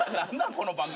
この番組。